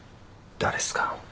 誰っすか？